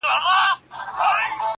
تا له د ګل شوکول ،ما له باغوانى راغله